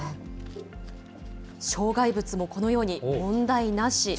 障害物もこのように、問題なし。